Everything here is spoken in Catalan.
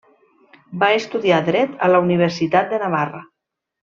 Va estudiar Dret a la Universitat de Navarra.